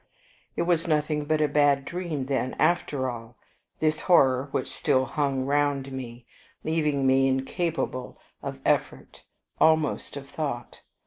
It was nothing but a bad dream then, after all, this horror which still hung round me, leaving me incapable of effort, almost of thought.